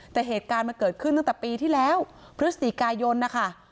แต่เหตุการณ์มันเกิดขึ้นตั้งแต่ปีที่แล้วพฤศจิกายนนะคะ